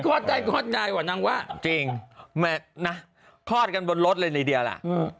คลอดได้คลอดง่ายกว่านางวะจริงคลอดกันบนรถเลยในเดียวล่ะ